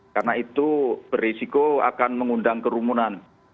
karena itu berisiko akan mengundang kerumunan